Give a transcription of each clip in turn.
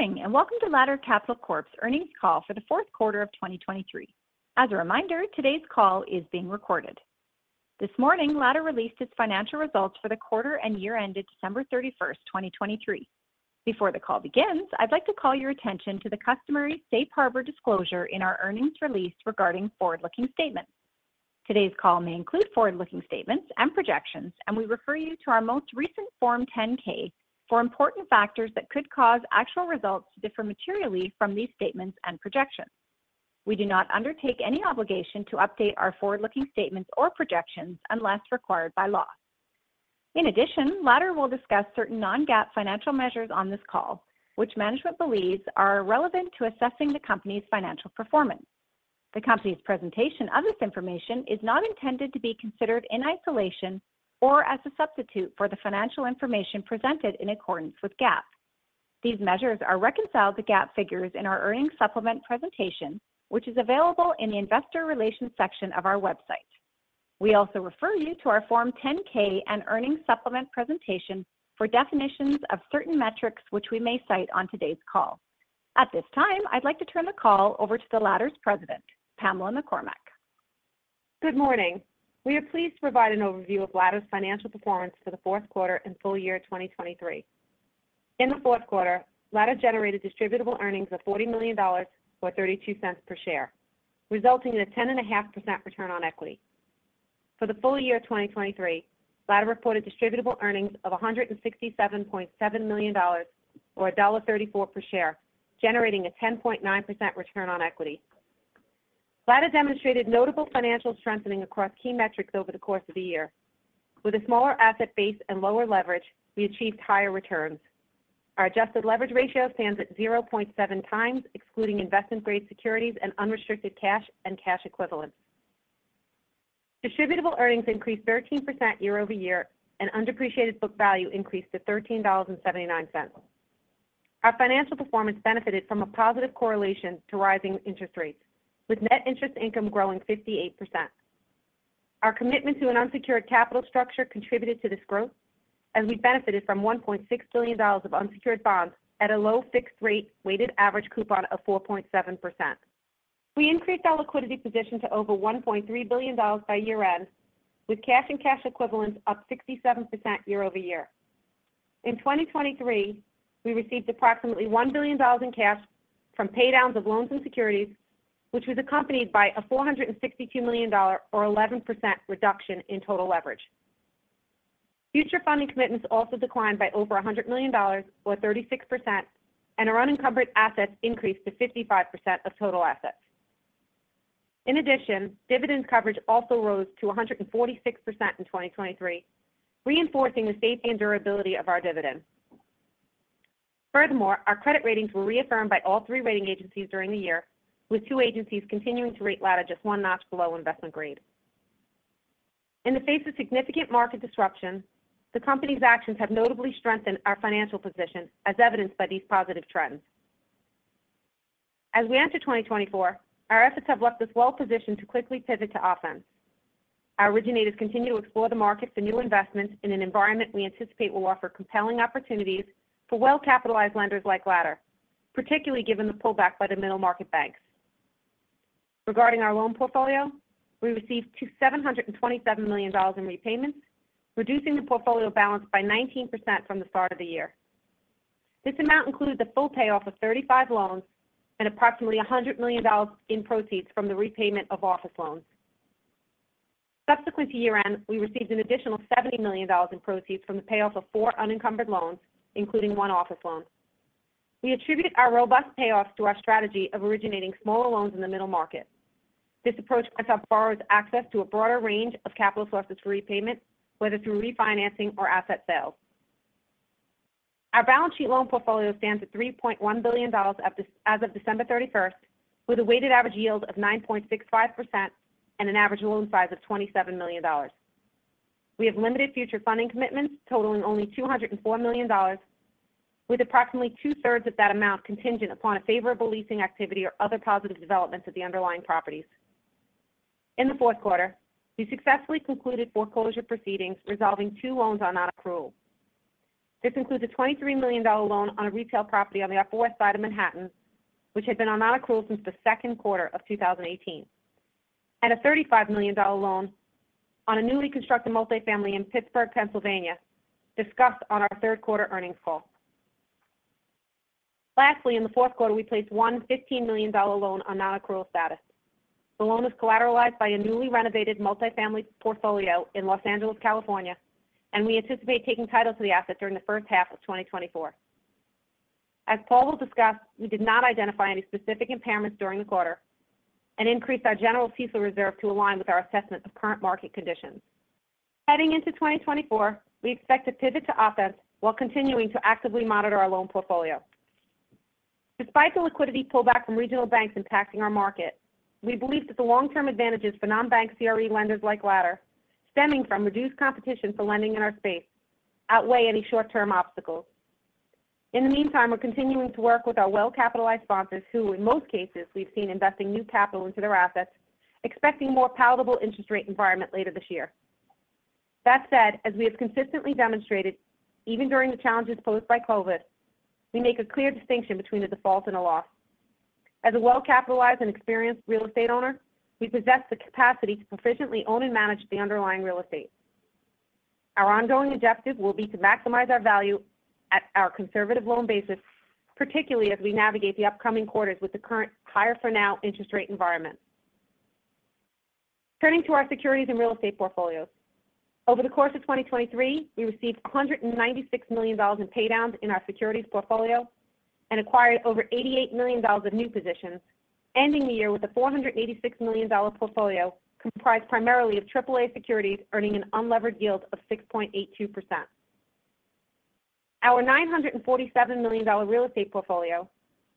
Good morning, and welcome to Ladder Capital Corp's earnings call for the fourth quarter of 2023. As a reminder, today's call is being recorded. This morning, Ladder released its financial results for the quarter and year ended December 31, 2023. Before the call begins, I'd like to call your attention to the customary safe harbor disclosure in our earnings release regarding forward-looking statements. Today's call may include forward-looking statements and projections, and we refer you to our most recent Form 10-K for important factors that could cause actual results to differ materially from these statements and projections. We do not undertake any obligation to update our forward-looking statements or projections unless required by law. In addition, Ladder will discuss certain non-GAAP financial measures on this call, which management believes are relevant to assessing the company's financial performance. The company's presentation of this information is not intended to be considered in isolation or as a substitute for the financial information presented in accordance with GAAP. These measures are reconciled to GAAP figures in our Earnings Supplement presentation, which is available in the Investor Relations section of our website. We also refer you to our Form 10-K and Earnings Supplement presentation for definitions of certain metrics, which we may cite on today's call. At this time, I'd like to turn the call over to Ladder’s President, Pamela McCormack. Good morning! We are pleased to provide an overview of Ladder's financial performance for the Q4 and full year of 2023. In the Q4, Ladder generated distributable earnings of $40 million or $0.32 per share, resulting in a 10.5% return on equity. For the full year of 2023, Ladder reported distributable earnings of $167.7 million or $1.34 per share, generating a 10.9% return on equity. Ladder demonstrated notable financial strengthening across key metrics over the course of the year. With a smaller asset base and lower leverage, we achieved higher returns. Our adjusted leverage ratio stands at 0.7x, excluding investment-grade securities and unrestricted cash and cash equivalents. Distributable Earnings increased 13% year-over-year, and undepreciated book value increased to $13.79. Our financial performance benefited from a positive correlation to rising interest rates, with net interest income growing 58%. Our commitment to an unsecured capital structure contributed to this growth as we benefited from $1.6 billion of unsecured bonds at a low fixed-rate, weighted average coupon of 4.7%. We increased our liquidity position to over $1.3 billion by year-end, with cash and cash equivalents up 67% year-over-year. In 2023, we received approximately $1 billion in cash from paydowns of loans and securities, which was accompanied by a $462 million or 11% reduction in total leverage. Future funding commitments also declined by over $100 million or 36%, and our unencumbered assets increased to 55% of total assets. In addition, dividend coverage also rose to 146% in 2023, reinforcing the safety and durability of our dividend. Furthermore, our credit ratings were reaffirmed by all three rating agencies during the year, with two agencies continuing to rate Ladder just one notch below investment grade. In the face of significant market disruption, the company's actions have notably strengthened our financial position, as evidenced by these positive trends. As we enter 2024, our efforts have left us well-positioned to quickly pivot to offense. Our originators continue to explore the markets for new investments in an environment we anticipate will offer compelling opportunities for well-capitalized lenders like Ladder, particularly given the pullback by the middle market banks. Regarding our loan portfolio, we received $727 million in repayments, reducing the portfolio balance by 19% from the start of the year. This amount includes a full payoff of 35 loans and approximately $100 million in proceeds from the repayment of office loans. Subsequent to year-end, we received an additional $70 million in proceeds from the payoff of 4 unencumbered loans, including one office loan. We attribute our robust payoffs to our strategy of originating smaller loans in the middle market. This approach grants our borrowers access to a broader range of capital sources for repayment, whether through refinancing or asset sales. Our balance sheet loan portfolio stands at $3.1 billion as of December 31, with a weighted average yield of 9.65% and an average loan size of $27 million. We have limited future funding commitments, totaling only $204 million, with approximately two-thirds of that amount contingent upon a favorable leasing activity or other positive developments of the underlying properties. In the fourth quarter, we successfully concluded foreclosure proceedings, resolving two loans on nonaccrual. This includes a $23 million loan on a retail property on the Upper West Side of Manhattan, which had been on nonaccrual since the second quarter of 2018, and a $35 million loan on a newly constructed multifamily in Pittsburgh, Pennsylvania, discussed on our third quarter earnings call. Lastly, in the fourth quarter, we placed one $115 million loan on nonaccrual status. The loan is collateralized by a newly renovated multifamily portfolio in Los Angeles, California, and we anticipate taking title to the asset during the first half of 2024. As Paul will discuss, we did not identify any specific impairments during the quarter and increased our general CECL reserve to align with our assessment of current market conditions. Heading into 2024, we expect to pivot to offense while continuing to actively monitor our loan portfolio. Despite the liquidity pullback from regional banks impacting our market, we believe that the long-term advantages for non-bank CRE lenders like Ladder, stemming from reduced competition for lending in our space, outweigh any short-term obstacles. In the meantime, we're continuing to work with our well-capitalized sponsors, who in most cases, we've seen investing new capital into their assets, expecting a more palatable interest rate environment later this year.... That said, as we have consistently demonstrated, even during the challenges posed by COVID, we make a clear distinction between a default and a loss. As a well-capitalized and experienced real estate owner, we possess the capacity to proficiently own and manage the underlying real estate. Our ongoing objective will be to maximize our value at our conservative loan basis, particularly as we navigate the upcoming quarters with the current higher for now interest rate environment. Turning to our securities and real estate portfolios. Over the course of 2023, we received $196 million in paydowns in our securities portfolio and acquired over $88 million of new positions, ending the year with a $486 million portfolio comprised primarily of AAA securities, earning an unlevered yield of 6.82%. Our $947 million real estate portfolio,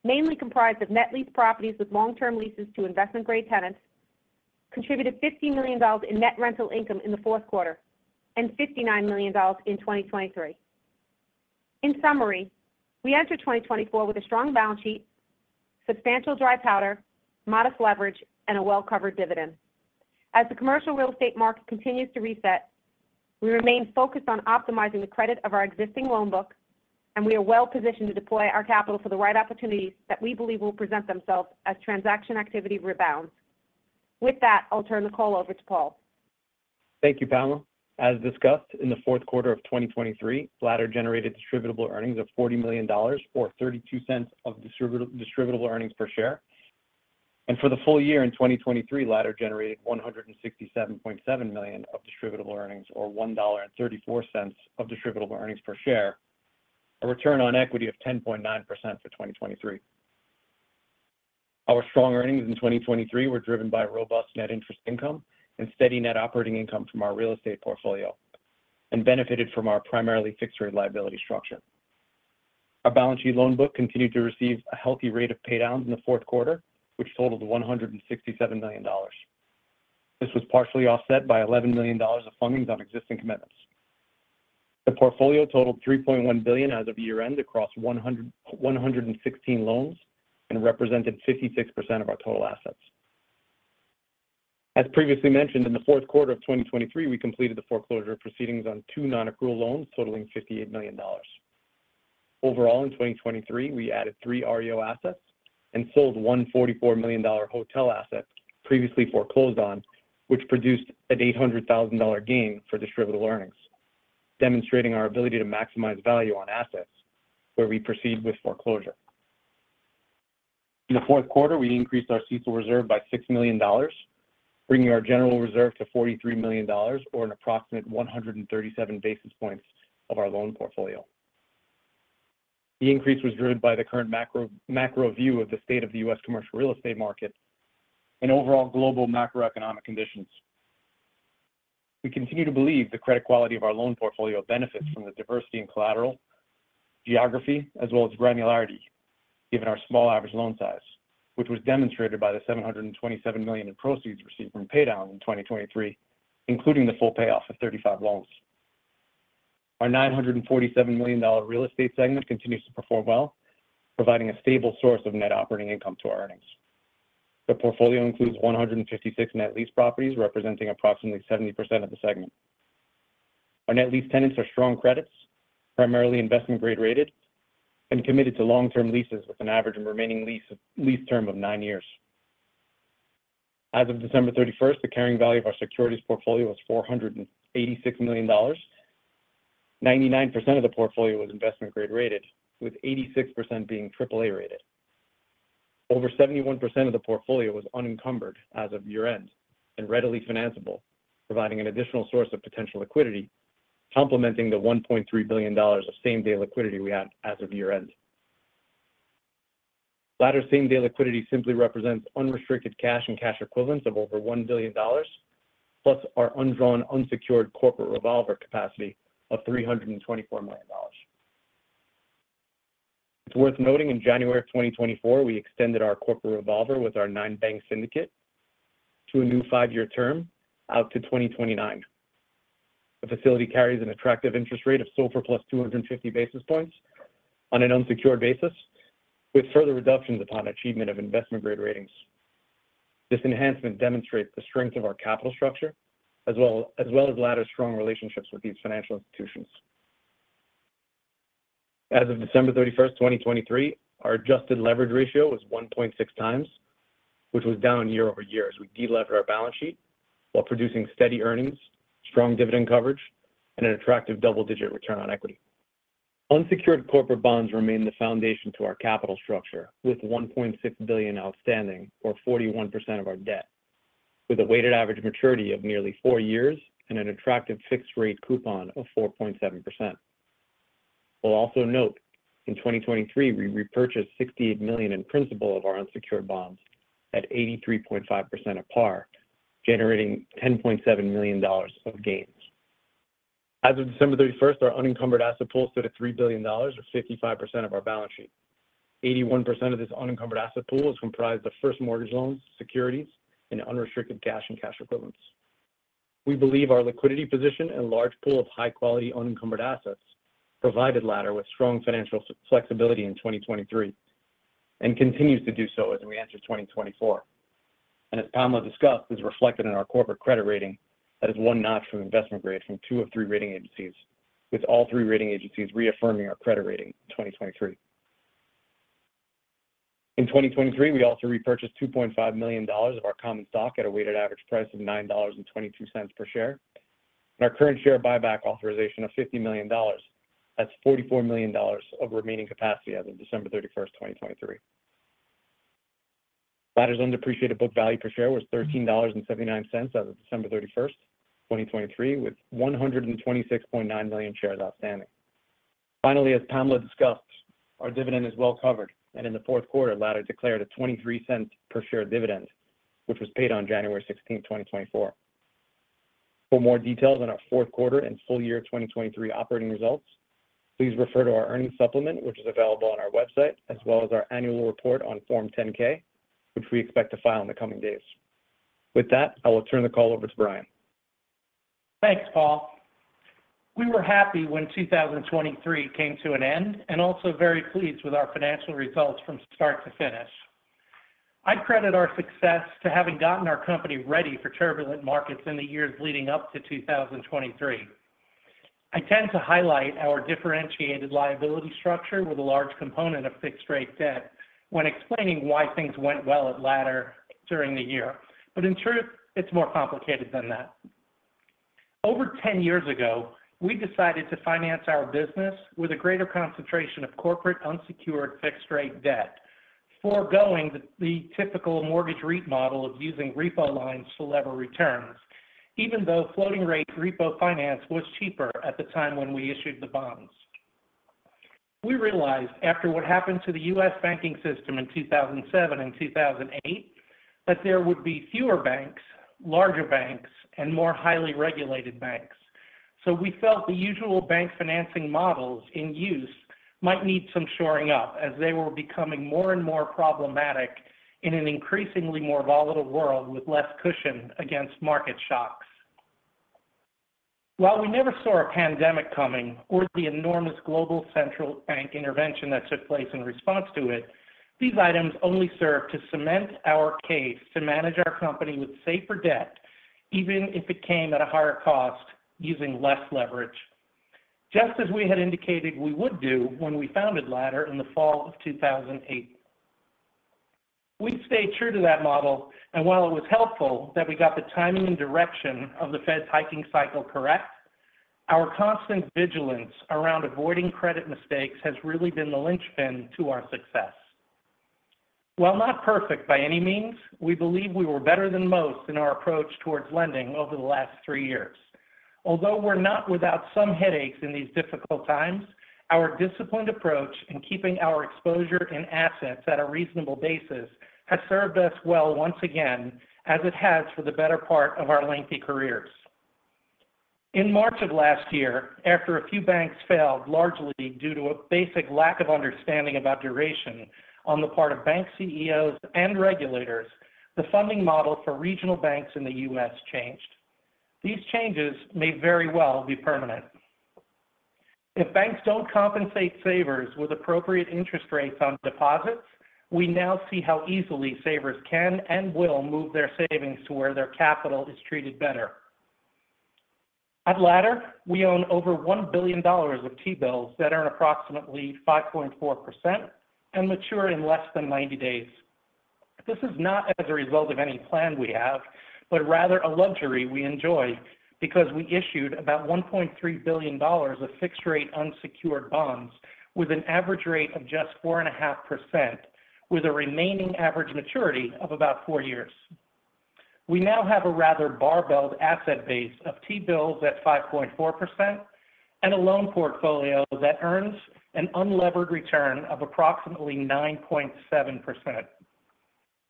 mainly comprised of net lease properties with long-term leases to investment-grade tenants, contributed $50 million in net rental income in the fourth quarter and $59 million in 2023. In summary, we enter 2024 with a strong balance sheet, substantial dry powder, modest leverage, and a well-covered dividend. As the commercial real estate market continues to reset, we remain focused on optimizing the credit of our existing loan book, and we are well positioned to deploy our capital for the right opportunities that we believe will present themselves as transaction activity rebounds. With that, I'll turn the call over to Paul. Thank you, Pamela. As discussed in the fourth quarter of 2023, Ladder generated distributable earnings of $40 million, or $0.32 of distributable earnings per share. For the full year in 2023, Ladder generated $167.7 million of distributable earnings, or $1.34 of distributable earnings per share, a return on equity of 10.9% for 2023. Our strong earnings in 2023 were driven by robust net interest income and steady net operating income from our real estate portfolio and benefited from our primarily fixed rate liability structure. Our balance sheet loan book continued to receive a healthy rate of paydowns in the fourth quarter, which totaled $167 million. This was partially offset by $11 million of fundings on existing commitments. The portfolio totaled $3.1 billion as of year-end across 116 loans and represented 56% of our total assets. As previously mentioned, in the fourth quarter of 2023, we completed the foreclosure proceedings on two nonaccrual loans totaling $58 million. Overall, in 2023, we added three REO assets and sold $144 million hotel asset previously foreclosed on, which produced an $800,000 gain for distributable earnings, demonstrating our ability to maximize value on assets where we proceed with foreclosure. In the fourth quarter, we increased our CECL reserve by $6 million, bringing our general reserve to $43 million or an approximate 137 basis points of our loan portfolio. The increase was driven by the current macro view of the state of the U.S. commercial real estate market and overall global macroeconomic conditions. We continue to believe the credit quality of our loan portfolio benefits from the diversity in collateral, geography, as well as granularity, given our small average loan size, which was demonstrated by the $727 million in proceeds received from paydown in 2023, including the full payoff of 35 loans. Our $947 million real estate segment continues to perform well, providing a stable source of net operating income to our earnings. The portfolio includes 156 net lease properties, representing approximately 70% of the segment. Our net lease tenants are strong credits, primarily investment grade rated, and committed to long-term leases with an average remaining lease term of 9 years. As of December 31, the carrying value of our securities portfolio was $486 million. 99% of the portfolio was investment grade rated, with 86% being AAA rated. Over 71% of the portfolio was unencumbered as of year-end and readily financeable, providing an additional source of potential liquidity, complementing the $1.3 billion of same-day liquidity we had as of year-end. Ladder same-day liquidity simply represents unrestricted cash and cash equivalents of over $1 billion, plus our undrawn unsecured corporate revolver capacity of $324 million. It's worth noting in January 2024, we extended our corporate revolver with our 9-bank syndicate to a new 5-year term out to 2029. The facility carries an attractive interest rate of SOFR plus 250 basis points on an unsecured basis, with further reductions upon achievement of investment grade ratings. This enhancement demonstrates the strength of our capital structure, as well as Ladder's strong relationships with these financial institutions. As of December 31, 2023, our adjusted leverage ratio was 1.6 times, which was down year-over-year as we delevered our balance sheet while producing steady earnings, strong dividend coverage, and an attractive double-digit return on equity. Unsecured corporate bonds remain the foundation to our capital structure, with $1.6 billion outstanding, or 41% of our debt, with a weighted average maturity of nearly four years and an attractive fixed rate coupon of 4.7%. We'll also note in 2023, we repurchased $68 million in principal of our unsecured bonds at 83.5% of par, generating $10.7 million of gains. As of December 31, our unencumbered asset pool stood at $3 billion or 55% of our balance sheet. 81% of this unencumbered asset pool is comprised of first mortgage loans, securities, and unrestricted cash and cash equivalents. We believe our liquidity position and large pool of high-quality, unencumbered assets provided Ladder with strong financial flexibility in 2023 and continues to do so as we enter 2024... and as Pamela discussed, is reflected in our corporate credit rating that is one notch from investment grade from two of three rating agencies, with all three rating agencies reaffirming our credit rating in 2023. In 2023, we also repurchased $2.5 million of our common stock at a weighted average price of $9.22 per share, and our current share buyback authorization of $50 million. That's $44 million of remaining capacity as of December 31, 2023. Ladder's undepreciated book value per share was $13.79 as of December 31, 2023, with 126.9 million shares outstanding. Finally, as Pamela discussed, our dividend is well covered, and in the fourth quarter, Ladder declared a $0.23 per share dividend, which was paid on January 16, 2024. For more details on our fourth quarter and full year 2023 operating results, please refer to our earnings supplement, which is available on our website, as well as our annual report on Form 10-K, which we expect to file in the coming days. With that, I will turn the call over to Brian. Thanks, Paul. We were happy when 2023 came to an end, and also very pleased with our financial results from start to finish. I credit our success to having gotten our company ready for turbulent markets in the years leading up to 2023. I tend to highlight our differentiated liability structure with a large component of fixed rate debt when explaining why things went well at Ladder during the year. But in truth, it's more complicated than that. Over 10 years ago, we decided to finance our business with a greater concentration of corporate unsecured fixed-rate debt, foregoing the typical mortgage REIT model of using repo lines to lever returns, even though floating-rate repo finance was cheaper at the time when we issued the bonds. We realized after what happened to the U.S. banking system in 2007 and 2008, that there would be fewer banks, larger banks, and more highly regulated banks. So we felt the usual bank financing models in use might need some shoring up as they were becoming more and more problematic in an increasingly more volatile world with less cushion against market shocks. While we never saw a pandemic coming or the enormous global central bank intervention that took place in response to it, these items only served to cement our case to manage our company with safer debt, even if it came at a higher cost, using less leverage. Just as we had indicated we would do when we founded Ladder in the fall of 2008. We've stayed true to that model, and while it was helpful that we got the timing and direction of the Fed's hiking cycle correct, our constant vigilance around avoiding credit mistakes has really been the linchpin to our success. While not perfect by any means, we believe we were better than most in our approach towards lending over the last three years. Although we're not without some headaches in these difficult times, our disciplined approach in keeping our exposure and assets at a reasonable basis has served us well once again, as it has for the better part of our lengthy careers. In March of last year, after a few banks failed, largely due to a basic lack of understanding about duration on the part of bank CEOs and regulators, the funding model for regional banks in the U.S. changed. These changes may very well be permanent. If banks don't compensate savers with appropriate interest rates on deposits, we now see how easily savers can and will move their savings to where their capital is treated better. At Ladder, we own over $1 billion of T-bills that earn approximately 5.4% and mature in less than 90 days. This is not as a result of any plan we have, but rather a luxury we enjoy because we issued about $1.3 billion of fixed-rate unsecured bonds with an average rate of just 4.5%, with a remaining average maturity of about 4 years. We now have a rather barbelled asset base of T-bills at 5.4% and a loan portfolio that earns an unlevered return of approximately 9.7%.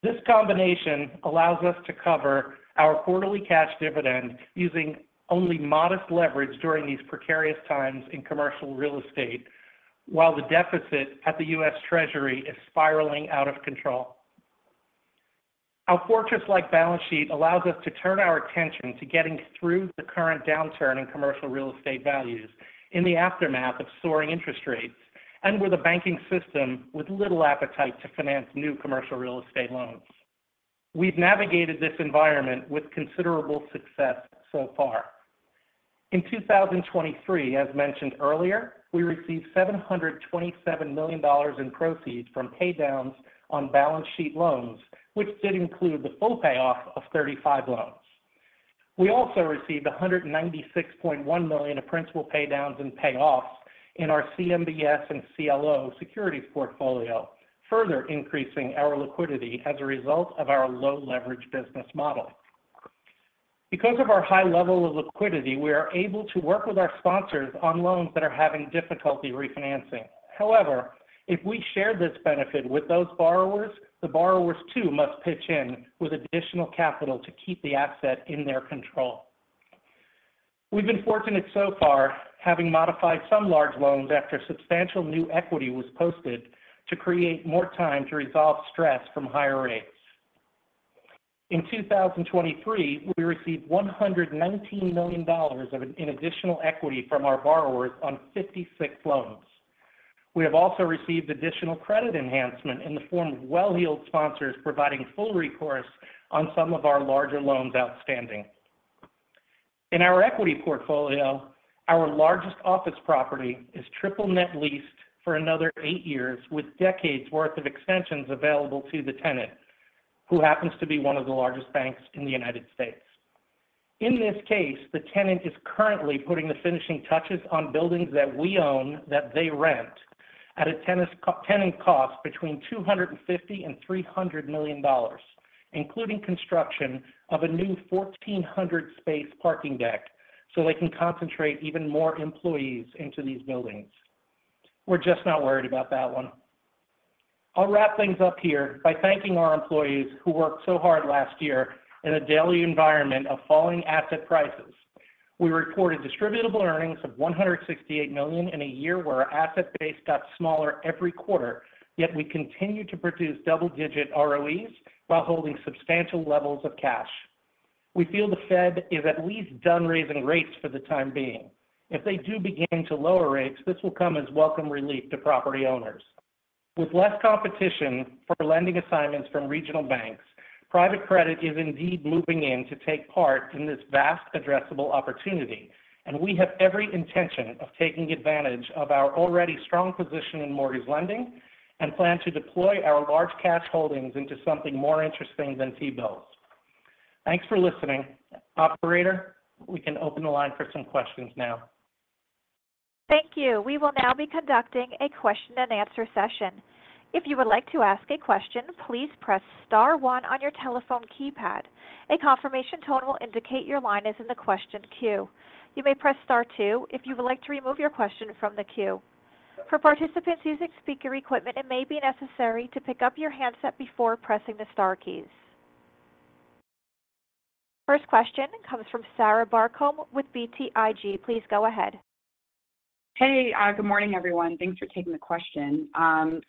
This combination allows us to cover our quarterly cash dividend using only modest leverage during these precarious times in commercial real estate, while the deficit at the U.S. Treasury is spiraling out of control. Our fortress-like balance sheet allows us to turn our attention to getting through the current downturn in commercial real estate values in the aftermath of soaring interest rates, and with a banking system with little appetite to finance new commercial real estate loans. We've navigated this environment with considerable success so far. In 2023, as mentioned earlier, we received $727 million in proceeds from paydowns on balance sheet loans, which did include the full payoff of 35 loans. We also received $196.1 million of principal paydowns and payoffs in our CMBS and CLO securities portfolio, further increasing our liquidity as a result of our low leverage business model. Because of our high level of liquidity, we are able to work with our sponsors on loans that are having difficulty refinancing. However, if we share this benefit with those borrowers, the borrowers too, must pitch in with additional capital to keep the asset in their control. We've been fortunate so far, having modified some large loans after substantial new equity was posted to create more time to resolve stress from higher rates. In 2023, we received $119 million in additional equity from our borrowers on 56 loans. We have also received additional credit enhancement in the form of well-heeled sponsors providing full recourse on some of our larger loans outstanding. In our equity portfolio, our largest office property is triple net leased for another 8 years, with decades worth of extensions available to the tenant, who happens to be one of the largest banks in the United States. In this case, the tenant is currently putting the finishing touches on buildings that we own, that they rent at a tenant cost between $250 million and $300 million, including construction of a new 1,400-space parking deck, so they can concentrate even more employees into these buildings. We're just not worried about that one. I'll wrap things up here by thanking our employees who worked so hard last year in a daily environment of falling asset prices. We reported distributable earnings of $168 million in a year where our asset base got smaller every quarter, yet we continued to produce double-digit ROEs while holding substantial levels of cash. We feel the Fed is at least done raising rates for the time being. If they do begin to lower rates, this will come as welcome relief to property owners. With less competition for lending assignments from regional banks, private credit is indeed moving in to take part in this vast addressable opportunity, and we have every intention of taking advantage of our already strong position in mortgage lending and plan to deploy our large cash holdings into something more interesting than T-bills. Thanks for listening. Operator, we can open the line for some questions now. Thank you. We will now be conducting a question and answer session. If you would like to ask a question, please press star one on your telephone keypad. A confirmation tone will indicate your line is in the question queue. You may press star two if you would like to remove your question from the queue. For participants using speaker equipment, it may be necessary to pick up your handset before pressing the star keys. First question comes from Sarah Barcomb with BTIG. Please go ahead. Hey, good morning, everyone. Thanks for taking the question.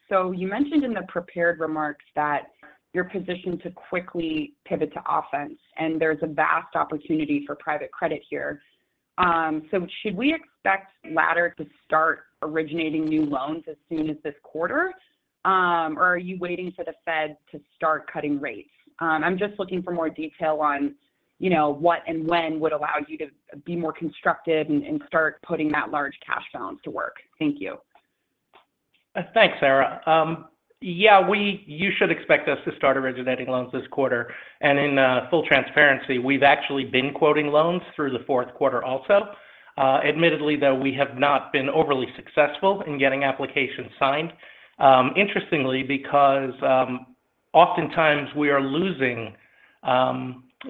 So you mentioned in the prepared remarks that you're positioned to quickly pivot to offense, and there's a vast opportunity for private credit here. So should we expect Ladder to start originating new loans as soon as this quarter? Or are you waiting for the Fed to start cutting rates? I'm just looking for more detail on, you know, what and when would allow you to be more constructive and, and start putting that large cash balance to work. Thank you. Thanks, Sarah. Yeah, you should expect us to start originating loans this quarter, and in full transparency, we've actually been quoting loans through the fourth quarter also. Admittedly, though, we have not been overly successful in getting applications signed. Interestingly, because oftentimes, we are losing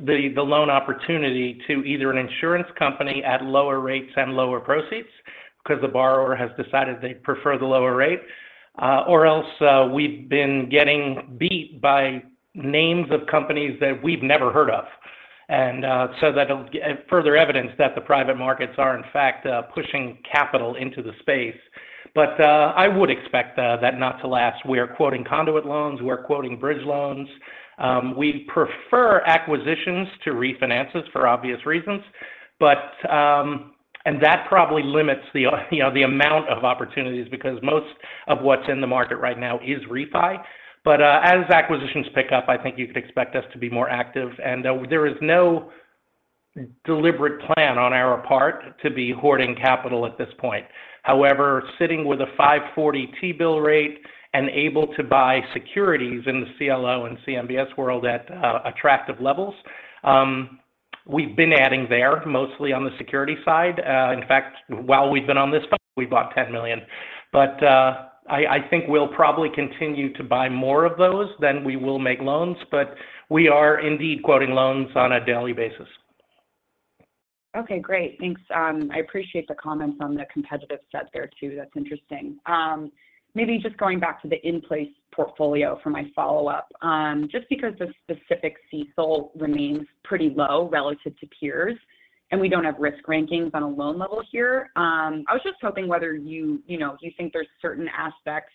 the loan opportunity to either an insurance company at lower rates and lower proceeds, because the borrower has decided they prefer the lower rate, or else, we've been getting beat by names of companies that we've never heard of. And so that'll, further evidence that the private markets are, in fact, pushing capital into the space. But I would expect that not to last. We are quoting conduit loans. We're quoting bridge loans. We prefer acquisitions to refinances for obvious reasons, but. That probably limits the, you know, the amount of opportunities, because most of what's in the market right now is refi. But, as acquisitions pick up, I think you could expect us to be more active, and, there is no deliberate plan on our part to be hoarding capital at this point. However, sitting with a 5.40 T-bill rate and able to buy securities in the CLO and CMBS world at attractive levels, we've been adding there, mostly on the security side. In fact, while we've been on this call, we bought $10 million. But, I think we'll probably continue to buy more of those than we will make loans, but we are indeed quoting loans on a daily basis. Okay, great. Thanks. I appreciate the comments on the competitive set there, too. That's interesting. Maybe just going back to the in-place portfolio for my follow-up. Just because the specific CECL remains pretty low relative to peers, and we don't have risk rankings on a loan level here, I was just hoping whether you, you know, you think there's certain aspects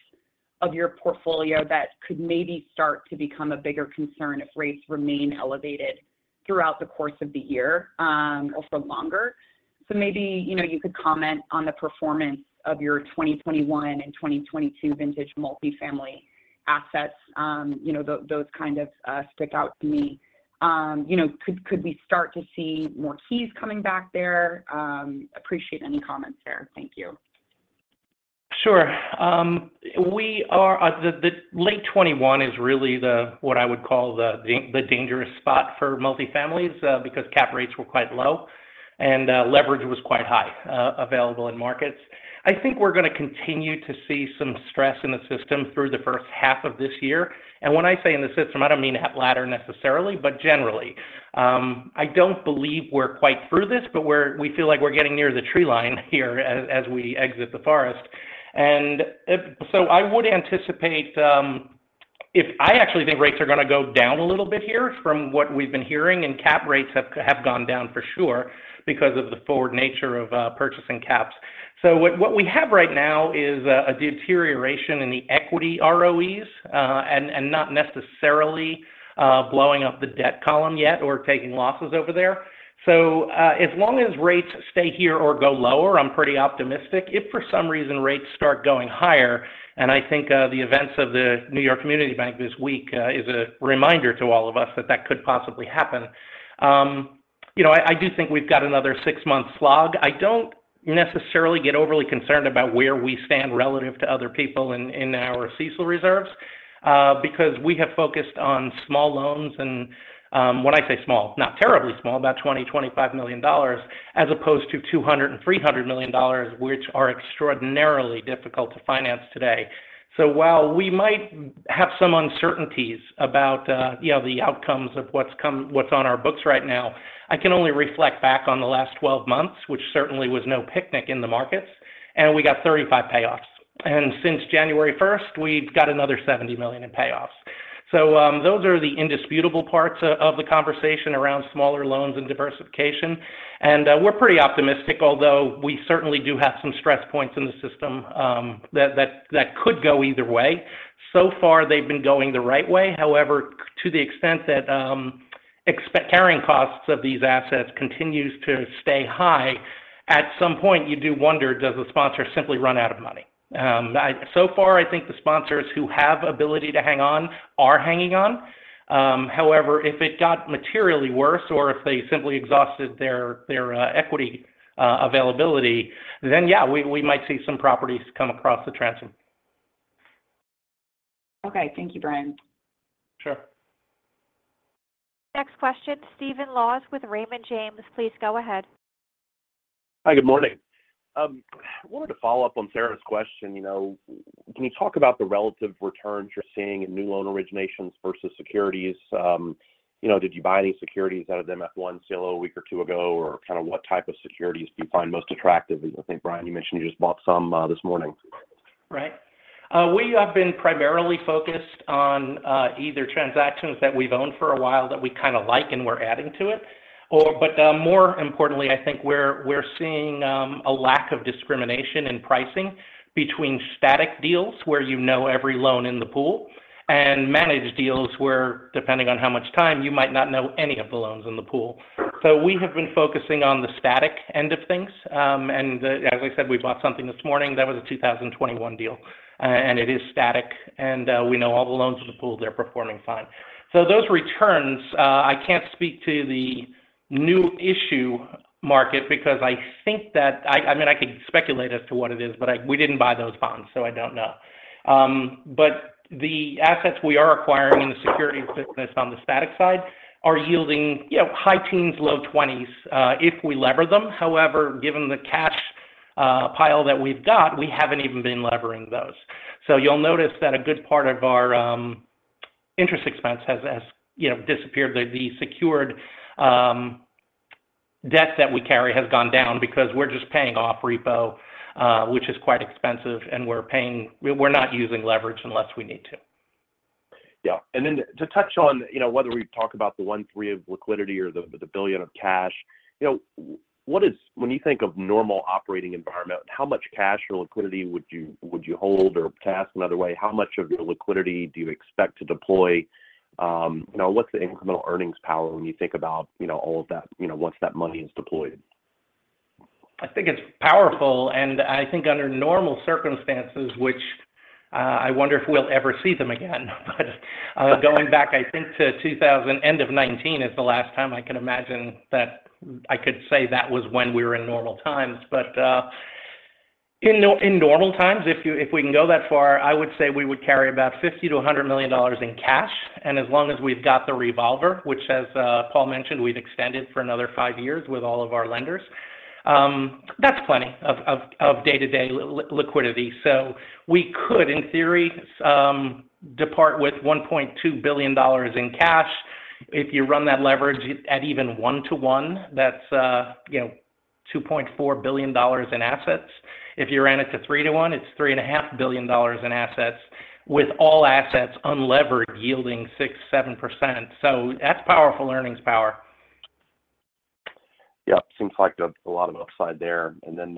of your portfolio that could maybe start to become a bigger concern if rates remain elevated throughout the course of the year, or for longer. So maybe, you know, you could comment on the performance of your 2021 and 2022 vintage multifamily assets. You know, those kind of stick out to me. You know, could we start to see more keys coming back there? Appreciate any comments there. Thank you. Sure. We are the late 2021 is really what I would call the dangerous spot for multifamily, because cap rates were quite low and leverage was quite high available in markets. I think we're gonna continue to see some stress in the system through the first half of this year. And when I say in the system, I don't mean at Ladder necessarily, but generally. I don't believe we're quite through this, but we feel like we're getting near the tree line here as we exit the forest. And so I would anticipate. I actually think rates are gonna go down a little bit here from what we've been hearing, and cap rates have gone down for sure because of the forward nature of purchasing caps. So what we have right now is a deterioration in the equity ROEs, and not necessarily blowing up the debt column yet or taking losses over there. So, as long as rates stay here or go lower, I'm pretty optimistic. If for some reason rates start going higher, and I think the events of the New York Community Bank this week is a reminder to all of us that that could possibly happen. You know, I do think we've got another six-month slog. I don't necessarily get overly concerned about where we stand relative to other people in our CECL reserves, because we have focused on small loans. And, when I say small, not terribly small, about $20-$25 million, as opposed to $200-$300 million, which are extraordinarily difficult to finance today. So while we might have some uncertainties about, you know, the outcomes of what's on our books right now, I can only reflect back on the last 12 months, which certainly was no picnic in the markets, and we got 35 payoffs. And since January first, we've got another $70 million in payoffs. So, those are the indisputable parts of the conversation around smaller loans and diversification. And, we're pretty optimistic, although we certainly do have some stress points in the system, that could go either way. So far, they've been going the right way. However, to the extent that carrying costs of these assets continues to stay high, at some point, you do wonder, does the sponsor simply run out of money? So far, I think the sponsors who have ability to hang on are hanging on. However, if it got materially worse or if they simply exhausted their equity availability, then yeah, we might see some properties come across the transom. Okay. Thank you, Brian. Sure. Next question, Stephen Laws with Raymond James. Please go ahead. Hi, good morning. I wanted to follow up on Sarah's question, you know, can you talk about the relative returns you're seeing in new loan originations versus securities? You know, did you buy any securities out of MF1 sale a week or 2 ago, or kind of what type of securities do you find most attractive? I think, Brian, you mentioned you just bought some, this morning. Right. We have been primarily focused on either transactions that we've owned for a while that we kinda like, and we're adding to it. Or, but more importantly, I think we're seeing a lack of discrimination in pricing between static deals, where you know every loan in the pool, and managed deals, where depending on how much time, you might not know any of the loans in the pool. So we have been focusing on the static end of things. And as I said, we bought something this morning, that was a 2021 deal, and it is static, and we know all the loans in the pool, they're performing fine. So those returns, I can't speak to the new issue market because I think that—I mean, I could speculate as to what it is, but we didn't buy those bonds, so I don't know. But the assets we are acquiring in the securities business on the static side are yielding, you know, high teens, low twenties, if we lever them. However, given the cash pile that we've got, we haven't even been levering those. So you'll notice that a good part of our interest expense has, you know, disappeared. The secured debt that we carry has gone down because we're just paying off repo, which is quite expensive, and we're not using leverage unless we need to. Yeah. Then to touch on, you know, whether we talk about the $1.3 billion of liquidity or the $1 billion of cash, you know, what is... When you think of normal operating environment, how much cash or liquidity would you hold or to ask another way? How much of your liquidity do you expect to deploy? You know, what's the incremental earnings power when you think about, you know, all of that, you know, once that money is deployed? I think it's powerful, and I think under normal circumstances, which, I wonder if we'll ever see them again, but, going back, I think to 2019 is the last time I can imagine that I could say that was when we were in normal times. But, in normal times, if we can go that far, I would say we would carry about $50 million-$100 million in cash. And as long as we've got the revolver, which, as Paul mentioned, we've extended for another 5 years with all of our lenders, that's plenty of day-to-day liquidity. So we could, in theory, depart with $1.2 billion in cash. If you run that leverage at even 1-to-1, that's, you know, $2.4 billion in assets. If you ran it to 3-to-1, it's $3.5 billion in assets, with all assets unlevered, yielding 6%-7%. So that's powerful earnings power. Yeah. Seems like there's a lot of upside there. And then,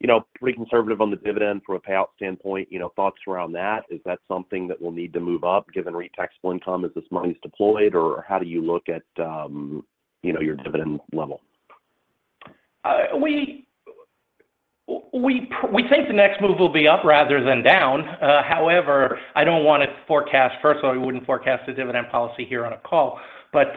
you know, pretty conservative on the dividend from a payout standpoint, you know, thoughts around that. Is that something that will need to move up, given REIT taxable income as this money is deployed? Or how do you look at, you know, your dividend level? We think the next move will be up rather than down. However, I don't want to forecast. First of all, we wouldn't forecast a dividend policy here on a call. But,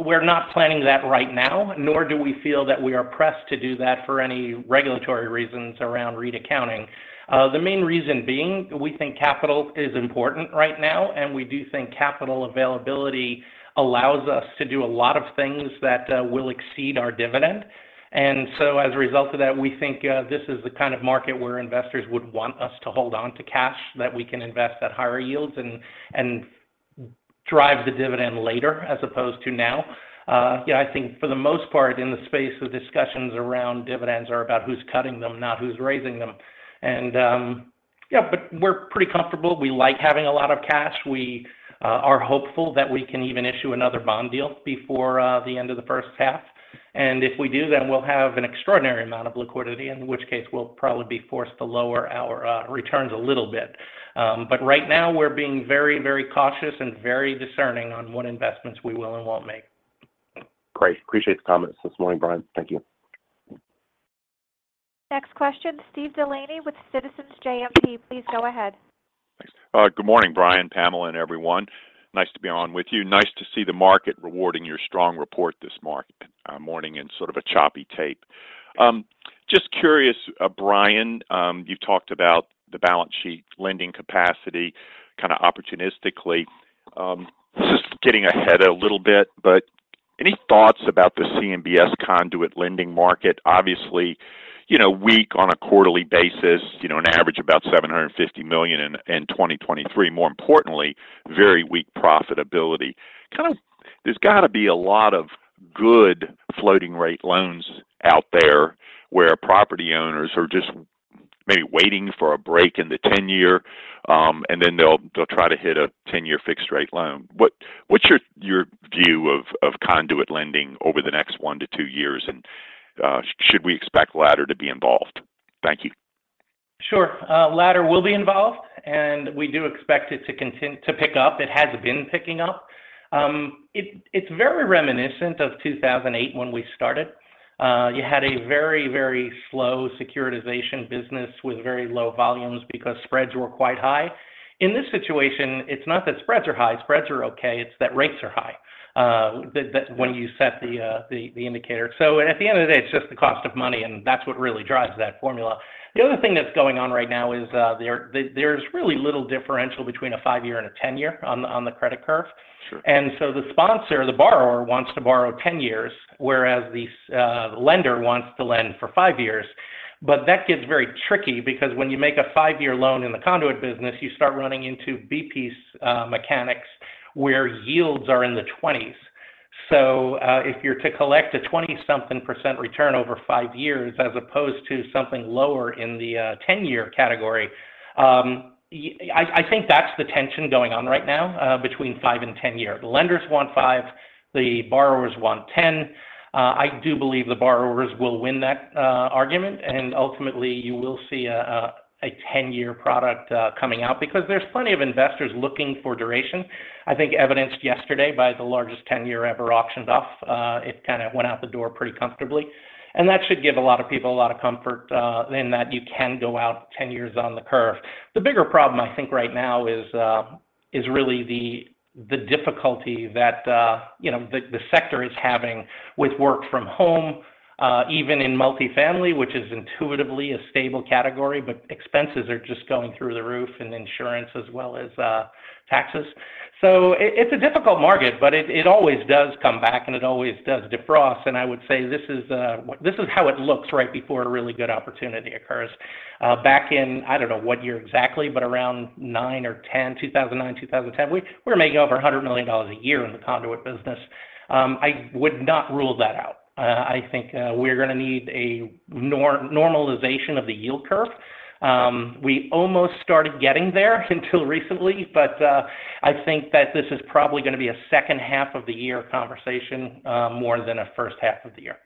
we're not planning that right now, nor do we feel that we are pressed to do that for any regulatory reasons around REIT accounting. The main reason being, we think capital is important right now, and we do think capital availability allows us to do a lot of things that will exceed our dividend. And so as a result of that, we think this is the kind of market where investors would want us to hold on to cash, that we can invest at higher yields and drive the dividend later, as opposed to now. Yeah, I think for the most part, in the space, the discussions around dividends are about who's cutting them, not who's raising them. And, yeah, but we're pretty comfortable. We like having a lot of cash. We are hopeful that we can even issue another bond deal before the end of the first half. And if we do, then we'll have an extraordinary amount of liquidity, in which case, we'll probably be forced to lower our returns a little bit. But right now, we're being very, very cautious and very discerning on what investments we will and won't make. Great. Appreciate the comments this morning, Brian. Thank you.... Next question, Steve Delaney with Citizens JMP. Please go ahead. Thanks. Good morning, Brian, Pamela, and everyone. Nice to be on with you. Nice to see the market rewarding your strong report this morning in sort of a choppy tape. Just curious, Brian, you've talked about the balance sheet lending capacity kind of opportunistically. This is getting ahead a little bit, but any thoughts about the CMBS conduit lending market? Obviously, you know, weak on a quarterly basis, you know, on average about $750 million in 2023. More importantly, very weak profitability. Kinda, there's gotta be a lot of good floating-rate loans out there, where property owners are just maybe waiting for a break in the ten-year, and then they'll try to hit a ten-year fixed rate loan. What's your view of conduit lending over the next 1-2 years, and should we expect Ladder to be involved? Thank you. Sure. Ladder will be involved, and we do expect it to continue to pick up. It has been picking up. It's very reminiscent of 2008 when we started. You had a very, very slow securitization business with very low volumes because spreads were quite high. In this situation, it's not that spreads are high, spreads are okay, it's that rates are high, that when you set the indicator. So at the end of the day, it's just the cost of money, and that's what really drives that formula. The other thing that's going on right now is, there's really little differential between a 5-year and a 10-year on the credit curve. Sure. And so the sponsor, the borrower, wants to borrow 10 years, whereas the lender wants to lend for 5 years. But that gets very tricky because when you make a 5-year loan in the conduit business, you start running into B-piece mechanics, where yields are in the 20s. So, if you're to collect a 20-something% return over 5 years, as opposed to something lower in the 10-year category, I think that's the tension going on right now between 5 and 10 years. Lenders want 5, the borrowers want 10. I do believe the borrowers will win that argument, and ultimately you will see a 10-year product coming out because there's plenty of investors looking for duration. I think evidenced yesterday by the largest 10-year ever auctioned off, it kind of went out the door pretty comfortably. And that should give a lot of people a lot of comfort in that you can go out 10 years on the curve. The bigger problem, I think, right now is really the difficulty that you know the sector is having with work-from- home even in multifamily, which is intuitively a stable category, but expenses are just going through the roof and insurance as well as taxes. So it's a difficult market, but it always does come back, and it always does defrost. And I would say this is what, this is how it looks right before a really good opportunity occurs. Back in, I don't know what year exactly, but around 2009 or 2010, we were making over $100 million a year in the conduit business. I would not rule that out. I think we're gonna need a normalization of the yield curve. We almost started getting there until recently, but I think that this is probably gonna be a second half of the year conversation, more than a first half of the year.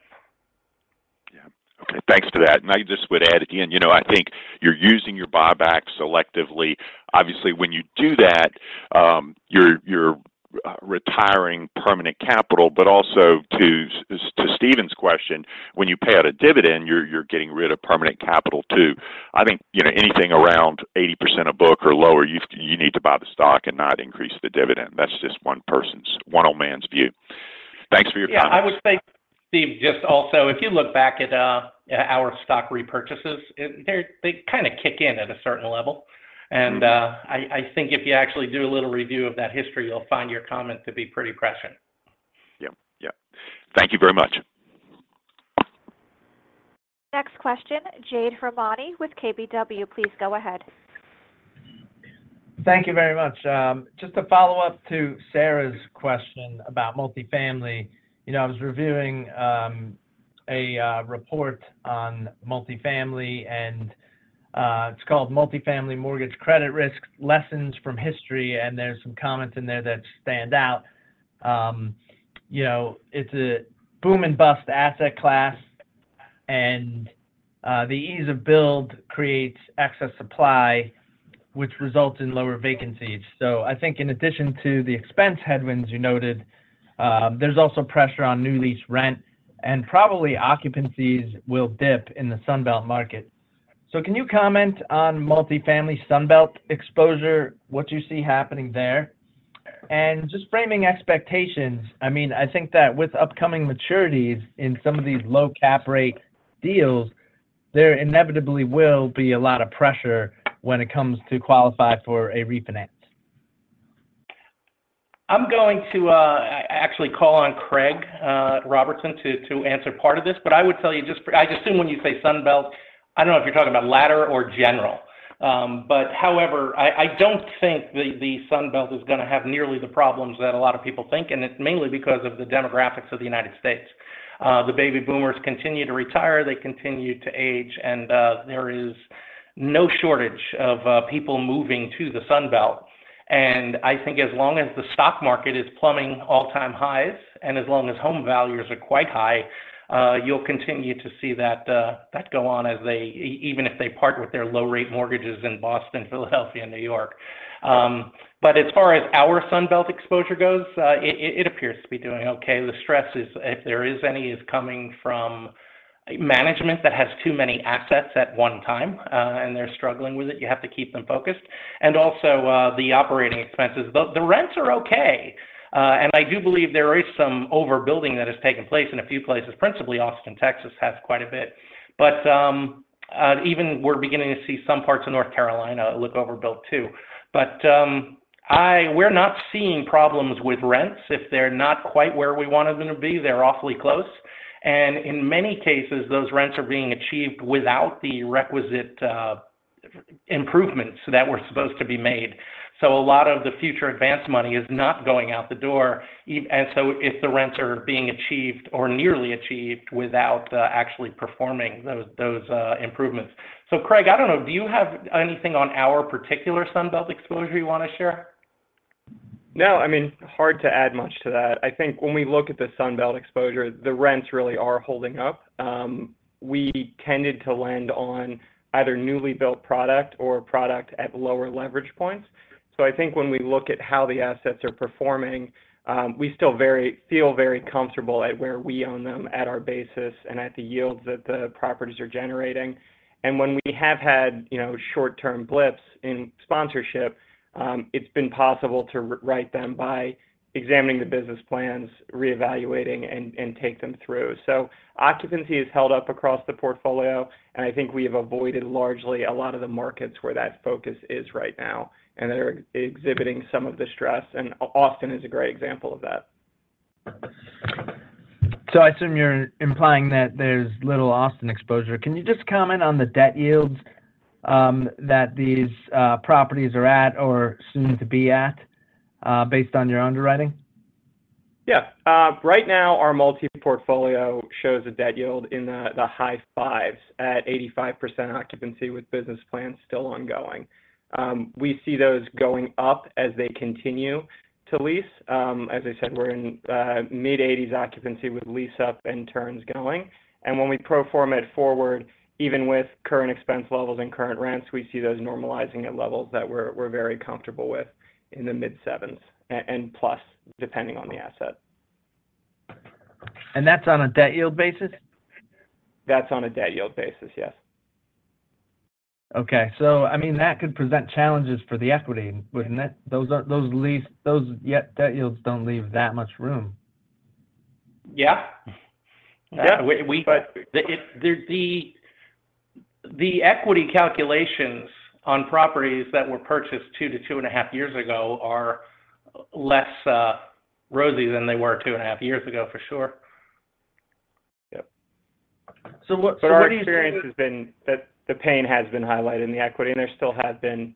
Yeah. Okay, thanks for that. And I just would add again, you know, I think you're using your buyback selectively. Obviously, when you do that, you're retiring permanent capital, but also to Steven's question, when you pay out a dividend, you're getting rid of permanent capital, too. I think, you know, anything around 80% of book or lower, you need to buy the stock and not increase the dividend. That's just one old man's view. Thanks for your comments. Yeah, I would say, Steve, just also, if you look back at our stock repurchases, they kind of kick in at a certain level. Mm-hmm. I think if you actually do a little review of that history, you'll find your comment to be pretty prescient. Yeah. Yeah. Thank you very much. Next question, Jade Rahmani with KBW. Please go ahead. Thank you very much. Just to follow up to Sarah's question about multifamily. You know, I was reviewing a report on multifamily and it's called Multifamily Mortgage Credit Risk: Lessons from History, and there's some comments in there that stand out. You know, it's a boom and bust asset class, and the ease of build creates excess supply, which results in lower vacancies. So I think in addition to the expense headwinds you noted, there's also pressure on new lease rent, and probably occupancies will dip in the Sun Belt market. So can you comment on multifamily Sun Belt exposure, what you see happening there? And just framing expectations, I mean, I think that with upcoming maturities in some of these low cap rate deals, there inevitably will be a lot of pressure when it comes to qualify for a refinance. I'm going to actually call on Craig Robertson to answer part of this. But I would tell you just for—I assume when you say Sun Belt, I don't know if you're talking about Ladder or general. But however, I don't think the Sun Belt is gonna have nearly the problems that a lot of people think, and it's mainly because of the demographics of the United States. The baby boomers continue to retire, they continue to age, and there is no shortage of people moving to the Sun Belt. And I think as long as the stock market is plumbing all-time highs, and as long as home values are quite high, you'll continue to see that go on as they—even if they part with their low-rate mortgages in Boston, Philadelphia, and New York. But as far as our Sun Belt exposure goes, it appears to be doing okay. The stress is, if there is any, is coming from management that has too many assets at one time, and they're struggling with it. You have to keep them focused, and also the operating expenses. The rents are okay, and I do believe there is some overbuilding that has taken place in a few places. Principally, Austin, Texas, has quite a bit, but even we're beginning to see some parts of North Carolina look overbuilt, too. But we're not seeing problems with rents. If they're not quite where we wanted them to be, they're awfully close, and in many cases, those rents are being achieved without the requisite improvements that were supposed to be made. So a lot of the future advance money is not going out the door, and so if the rents are being achieved or nearly achieved without actually performing those, those improvements. So Craig, I don't know, do you have anything on our particular Sun Belt exposure you want to share? No, I mean, hard to add much to that. I think when we look at the Sun Belt exposure, the rents really are holding up. We tended to lend on either newly built product or product at lower leverage points. So I think when we look at how the assets are performing, we still feel very comfortable at where we own them at our basis and at the yields that the properties are generating. And when we have had, you know, short-term blips in sponsorship, it's been possible to right them by examining the business plans, reevaluating, and take them through. So occupancy has held up across the portfolio, and I think we have avoided largely a lot of the markets where that focus is right now, and that are exhibiting some of the stress, and Austin is a great example of that. I assume you're implying that there's little Austin exposure. Can you just comment on the debt yields that these properties are at or soon to be at based on your underwriting? Yeah. Right now, our multi-portfolio shows a debt yield in the, the high 5s at 85% occupancy, with business plans still ongoing. We see those going up as they continue to lease. As I said, we're in mid-80s occupancy with lease up and turns going, and when we pro forma it forward, even with current expense levels and current rents, we see those normalizing at levels that we're, we're very comfortable with in the mid-70s a- and plus, depending on the asset. That's on a debt yield basis? That's on a debt yield basis, yes. Okay. So, I mean, that could present challenges for the equity, wouldn't it? Those debt yields don't leave that much room. Yeah. Yeah. We, we- But- The equity calculations on properties that were purchased 2-2.5 years ago are less rosy than they were 2.5 years ago, for sure. Yep. So what do you- But our experience has been that the pain has been highlighted in the equity, and there still have been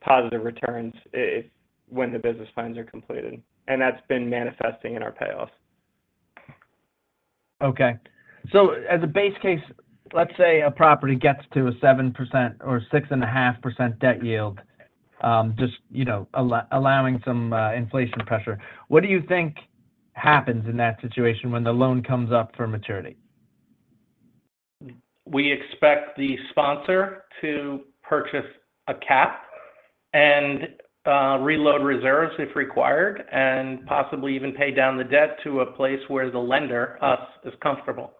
positive returns, if, when the business plans are completed, and that's been manifesting in our payoffs. Okay. So as a base case, let's say a property gets to a 7% or 6.5% debt yield, just, you know, allowing some inflation pressure. What do you think happens in that situation when the loan comes up for maturity? We expect the sponsor to purchase a cap and reload reserves if required, and possibly even pay down the debt to a place where the lender, us, is comfortable.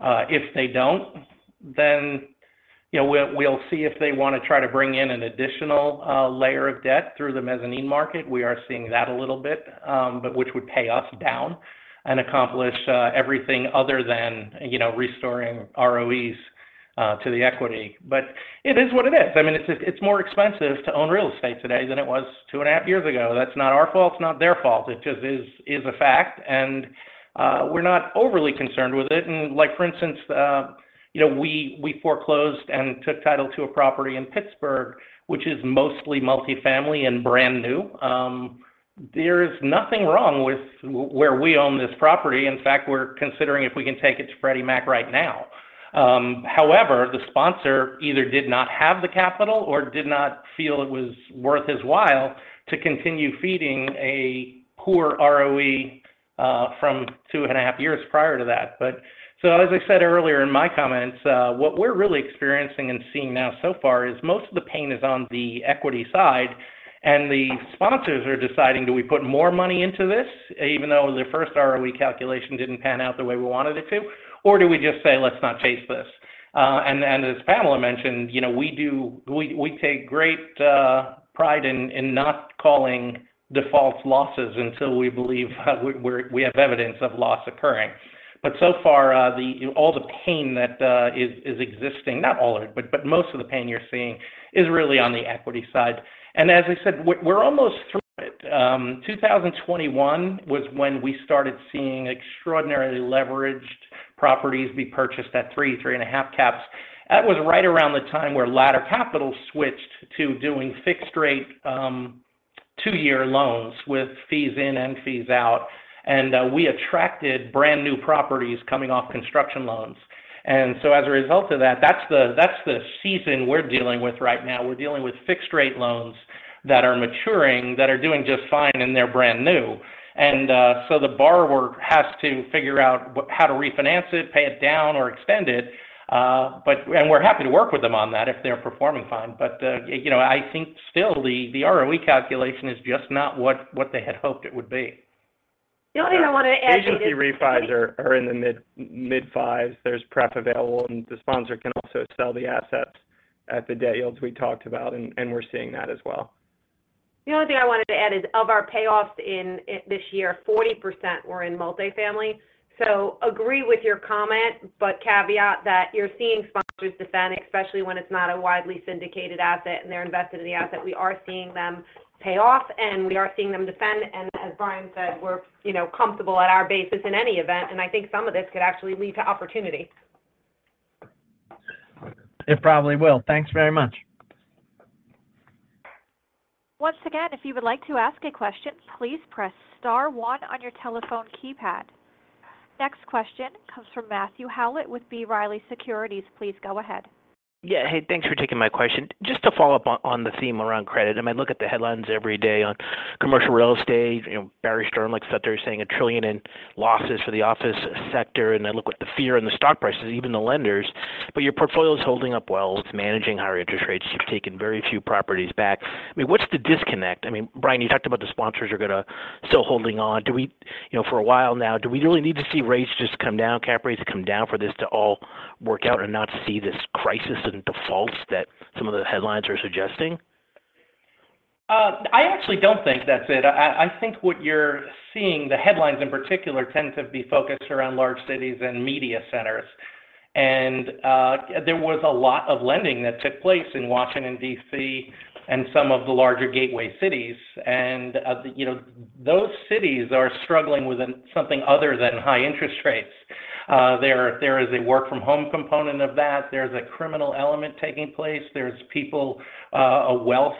If they don't, then, you know, we'll see if they want to try to bring in an additional layer of debt through the mezzanine market. We are seeing that a little bit, but which would pay us down and accomplish everything other than, you know, restoring ROEs to the equity. But it is what it is. I mean, it's just, it's more expensive to own real estate today than it was two and a half years ago. That's not our fault, it's not their fault. It just is a fact, and we're not overly concerned with it. Like, for instance, you know, we, we foreclosed and took title to a property in Pittsburgh, which is mostly multifamily and brand new. There is nothing wrong with where we own this property. In fact, we're considering if we can take it to Freddie Mac right now. However, the sponsor either did not have the capital or did not feel it was worth his while to continue feeding a poor ROE from 2.5 years prior to that. So as I said earlier in my comments, what we're really experiencing and seeing now so far is most of the pain is on the equity side, and the sponsors are deciding, "Do we put more money into this, even though the first ROE calculation didn't pan out the way we wanted it to, or do we just say, 'Let's not chase this?'" And as Pamela mentioned, you know, we take great pride in not calling defaults losses until we believe we have evidence of loss occurring. But so far, all the pain that is existing, not all of it, but most of the pain you're seeing is really on the equity side. And as I said, we're almost through it. 2021 was when we started seeing extraordinarily leveraged properties be purchased at 3-3.5 caps. That was right around the time where Ladder Capital switched to doing fixed-rate, 2-year loans with fees in and fees out, and we attracted brand-new properties coming off construction loans. And so as a result of that, that's the, that's the season we're dealing with right now. We're dealing with fixed-rate loans that are maturing, that are doing just fine, and they're brand new. And so the borrower has to figure out how to refinance it, pay it down, or extend it, but... And we're happy to work with them on that if they're performing fine. But, you know, I think still the, the ROE calculation is just not what, what they had hoped it would be.... The only thing I want to add is- Agency refis are in the mid-5s. There's pref available, and the sponsor can also sell the assets as the debt yields we talked about, and we're seeing that as well. The only thing I wanted to add is, of our payoffs in this year, 40% were in multifamily. So agree with your comment, but caveat that you're seeing sponsors defend, especially when it's not a widely syndicated asset and they're invested in the asset. We are seeing them pay off, and we are seeing them defend. And as Brian said, we're, you know, comfortable at our basis in any event, and I think some of this could actually lead to opportunity. It probably will. Thanks very much. Once again, if you would like to ask a question, please press star one on your telephone keypad. Next question comes from Matthew Howlett with B. Riley Securities. Please go ahead. Yeah. Hey, thanks for taking my question. Just to follow up on the theme around credit. I mean, look at the headlines every day on commercial real estate. You know, Barry Sternlicht out there saying $1 trillion in losses for the office sector, and I look at the fear in the stock prices, even the lenders, but your portfolio is holding up well to managing higher interest rates. You've taken very few properties back. I mean, what's the disconnect? I mean, Brian, you talked about the sponsors are going to still holding on. Do we—You know, for a while now, do we really need to see rates just come down, cap rates come down, for this to all work out and not see this crisis in defaults that some of the headlines are suggesting? I actually don't think that's it. I think what you're seeing, the headlines in particular, tend to be focused around large cities and media centers. And, there was a lot of lending that took place in Washington, D.C., and some of the larger gateway cities, and, you know, those cities are struggling with something other than high interest rates. There is a work from home component of that. There's a criminal element taking place. There's people, a wealth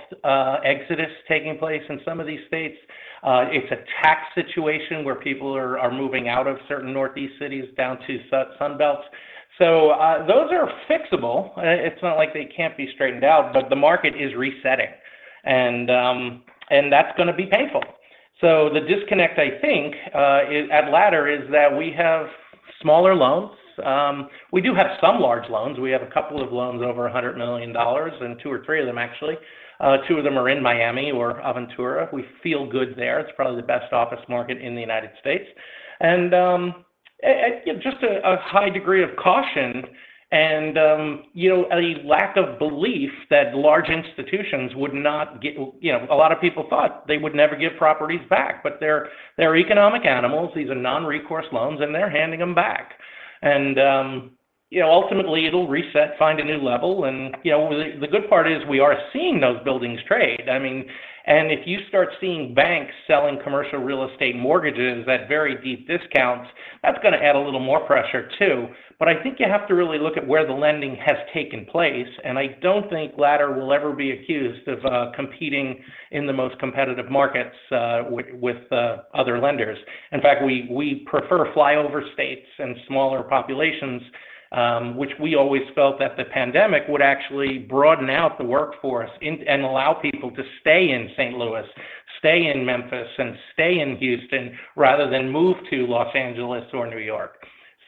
exodus taking place in some of these states. It's a tax situation where people are moving out of certain Northeast cities down to Sun Belt. So, those are fixable. It's not like they can't be straightened out, but the market is resetting, and that's going to be painful. So the disconnect, I think, is at Ladder, is that we have smaller loans. We do have some large loans. We have a couple of loans over $100 million, and two or three of them actually. Two of them are in Miami or Aventura. We feel good there. It's probably the best office market in the United States. And just a high degree of caution and, you know, a lack of belief that large institutions would not give... You know, a lot of people thought they would never give properties back, but they're economic animals. These are non-recourse loans, and they're handing them back. And, you know, ultimately, it'll reset, find a new level, and, you know, the good part is we are seeing those buildings trade. I mean, and if you start seeing banks selling commercial real estate mortgages at very deep discounts, that's going to add a little more pressure, too. But I think you have to really look at where the lending has taken place, and I don't think Ladder will ever be accused of competing in the most competitive markets with other lenders. In fact, we prefer flyover states and smaller populations, which we always felt that the pandemic would actually broaden out the workforce and allow people to stay in St. Louis, stay in Memphis, and stay in Houston, rather than move to Los Angeles or New York.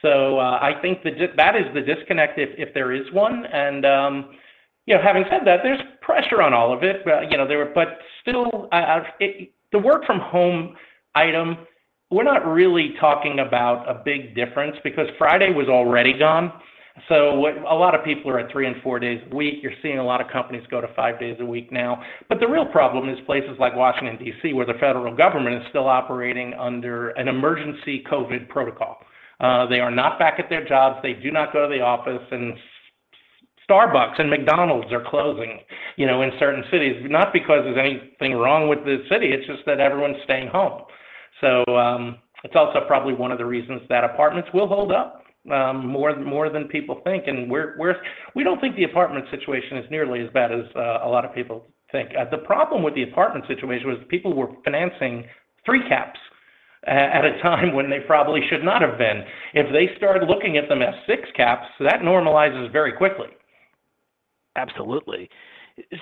So, I think that is the disconnect if there is one. You know, having said that, there's pressure on all of it, but, you know, there. But still, the work from home item, we're not really talking about a big difference because Friday was already gone. So a lot of people are at three and four days a week. You're seeing a lot of companies go to five days a week now. But the real problem is places like Washington, D.C., where the federal government is still operating under an emergency COVID protocol. They are not back at their jobs. They do not go to the office, and Starbucks and McDonald's are closing, you know, in certain cities, not because there's anything wrong with the city. It's just that everyone's staying home. So it's also probably one of the reasons that apartments will hold up more than people think. We're. We don't think the apartment situation is nearly as bad as a lot of people think. The problem with the apartment situation was people were financing 3 caps at a time when they probably should not have been. If they started looking at them as 6 caps, that normalizes very quickly. Absolutely.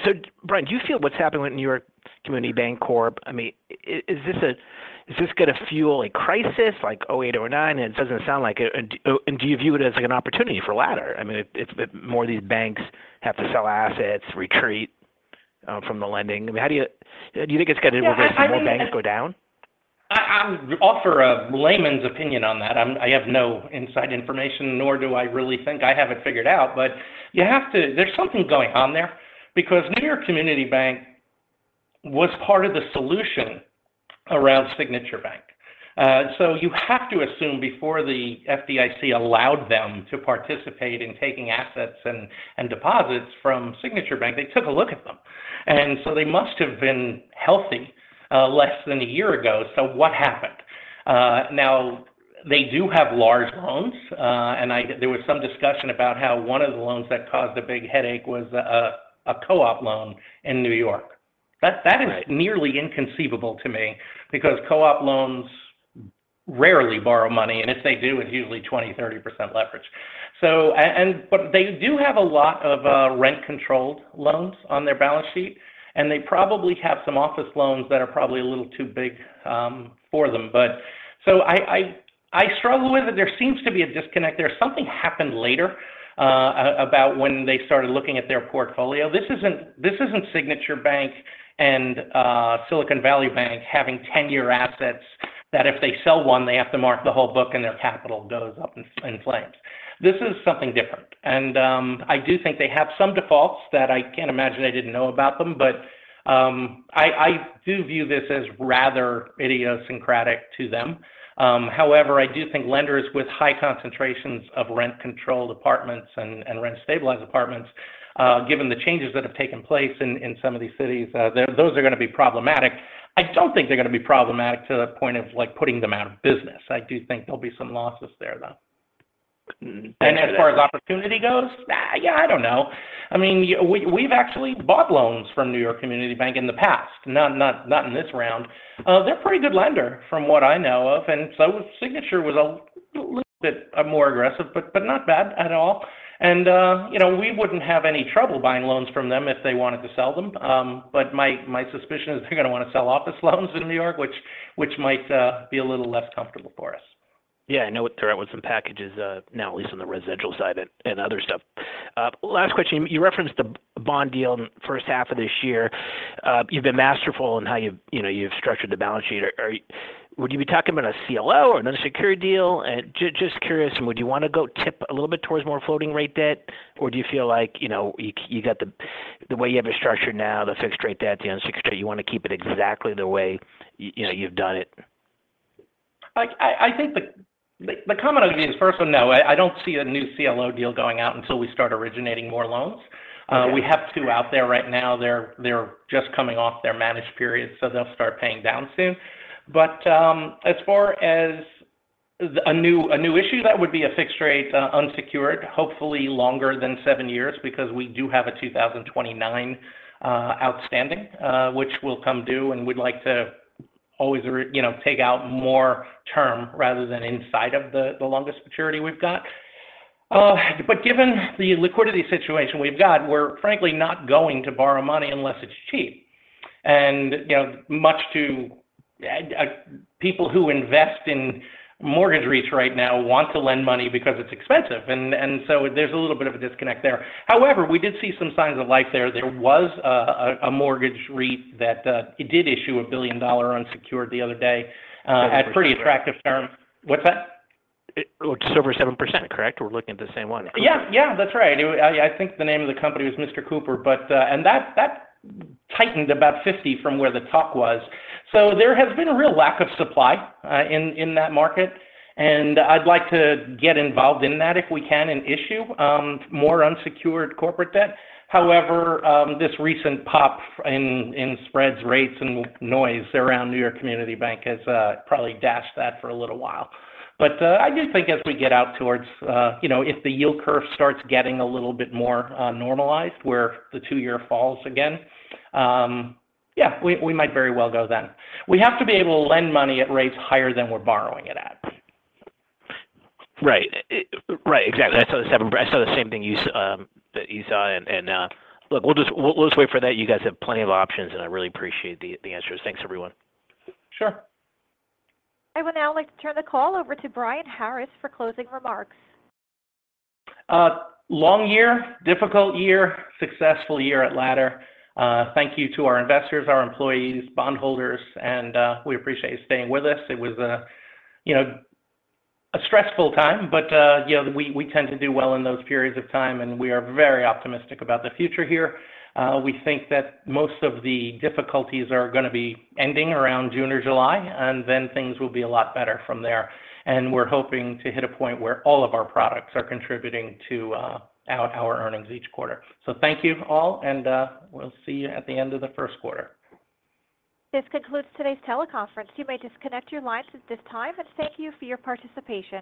So Brian, do you feel what's happening with New York Community Bank, I mean, is this going to fuel a crisis like 2008, 2009? It doesn't sound like it. And, and do you view it as, like, an opportunity for Ladder? I mean, if, if more of these banks have to sell assets, retreat, from the lending, how do you— Do you think it's going to- Yeah, I mean- more banks go down? I offer a layman's opinion on that. I have no inside information, nor do I really think I have it figured out, but you have to. There's something going on there because New York Community Bank was part of the solution around Signature Bank. So you have to assume before the FDIC allowed them to participate in taking assets and deposits from Signature Bank, they took a look at them, and so they must have been healthy, less than a year ago. So what happened? Now, they do have large loans, and I... There was some discussion about how one of the loans that caused a big headache was a co-op loan in New York. Right. That, that is nearly inconceivable to me because co-op loans rarely borrow money, and if they do, it's usually 20-30% leverage. But they do have a lot of rent-controlled loans on their balance sheet, and they probably have some office loans that are probably a little too big for them. So I, I, I struggle with it. There seems to be a disconnect there. Something happened later about when they started looking at their portfolio. This isn't, this isn't Signature Bank and Silicon Valley Bank having 10-year assets that if they sell one, they have to mark the whole book and their capital goes up in flames. This is something different. And, I do think they have some defaults that I can't imagine they didn't know about them, but, I do view this as rather idiosyncratic to them. However, I do think lenders with high concentrations of rent-controlled apartments and rent-stabilized apartments, given the changes that have taken place in some of these cities, those are gonna be problematic. I don't think they're gonna be problematic to the point of, like, putting them out of business. I do think there'll be some losses there, though. Mm-hmm. As far as opportunity goes, yeah, I don't know. I mean, we've actually bought loans from New York Community Bank in the past, not in this round. They're a pretty good lender from what I know of, and so Signature was a little bit more aggressive, but not bad at all. And you know, we wouldn't have any trouble buying loans from them if they wanted to sell them. But my suspicion is they're gonna wanna sell office loans in New York, which might be a little less comfortable for us. Yeah, I know they're out with some packages now, at least on the residential side and other stuff. Last question, you referenced the bond deal in the first half of this year. You've been masterful in how you've, you know, structured the balance sheet. Would you be talking about a CLO or another security deal? And just curious, would you wanna go tip a little bit towards more floating rate debt? Or do you feel like, you know, you got the way you have it structured now, the fixed rate debt, the unsecured, you wanna keep it exactly the way you know, you've done it? I think the comment I would give is, first of all, no, I don't see a new CLO deal going out until we start originating more loans. Okay. We have two out there right now. They're just coming off their managed period, so they'll start paying down soon. But, as far as a new issue, that would be a fixed-rate, unsecured, hopefully longer than seven years, because we do have a 2029 outstanding, which will come due, and we'd like to always you know, take out more term rather than inside of the longest maturity we've got. But given the liquidity situation we've got, we're frankly not going to borrow money unless it's cheap. And, you know, much to people who invest in mortgage REITs right now want to lend money because it's expensive, and so there's a little bit of a disconnect there. However, we did see some signs of life there. There was a mortgage REIT that it did issue a billion-dollar unsecured the other day at pretty attractive terms. What's that? It's over 7%, correct? We're looking at the same one. Yeah, yeah, that's right. I think the name of the company was Mr. Cooper, but. And that tightened about 50 from where the talk was. So there has been a real lack of supply in that market, and I'd like to get involved in that if we can, and issue more unsecured corporate debt. However, this recent pop in spreads, rates, and noise around New York Community Bank has probably dashed that for a little while. But I do think as we get out towards, you know, if the yield curve starts getting a little bit more normalized, where the two-year falls again, yeah, we might very well go then. We have to be able to lend money at rates higher than we're borrowing it at. Right. Right, exactly. I saw the same thing you, that you saw. And, and, look, we'll just, we'll, we'll just wait for that. You guys have plenty of options, and I really appreciate the, the answers. Thanks, everyone. Sure. I would now like to turn the call over to Brian Harris for closing remarks. Long year, difficult year, successful year at Ladder. Thank you to our investors, our employees, bondholders, and we appreciate you staying with us. It was, you know, a stressful time, but, you know, we tend to do well in those periods of time, and we are very optimistic about the future here. We think that most of the difficulties are gonna be ending around June or July, and then things will be a lot better from there. And we're hoping to hit a point where all of our products are contributing to our earnings each quarter. So thank you all, and we'll see you at the end of the first quarter. This concludes today's teleconference. You may disconnect your lines at this time, and thank you for your participation.